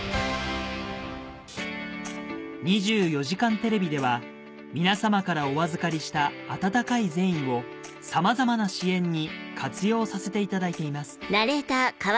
『２４時間テレビ』では皆様からお預かりした温かい善意をさまざまな支援に活用させていただいています